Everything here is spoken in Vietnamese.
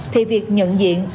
thì việc nhận diện